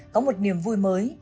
có một niềm vui mới